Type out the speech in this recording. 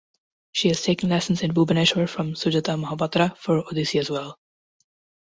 She has taken lessons in Bhubaneshwar from Sujata Mahapatra for Odissi as well.